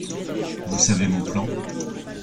Vous savez mon plan.